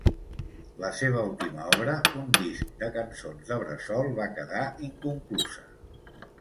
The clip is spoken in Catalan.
La seva última obra, un disc de cançons de bressol, va quedar inconclusa.